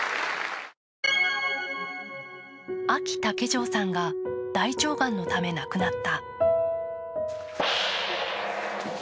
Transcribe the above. あき竹城さんが大腸がんのため亡くなった。